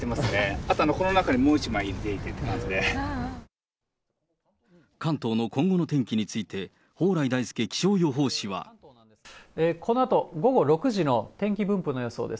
あと、関東の今後の天気について、このあと、午後６時の天気分布の予想です。